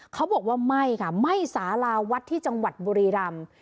เขาบอกว่าไม่ค่ะไม่สาราวัดที่จังหวัดบุรีรำ